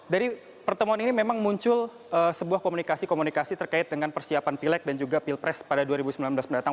dari pertemuan ini memang muncul sebuah komunikasi komunikasi terkait dengan persiapan pileg dan juga pilpres pada dua ribu sembilan belas mendatang